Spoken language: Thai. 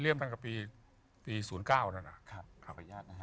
เรียมกันกับปี๒๐๐๙นะครับ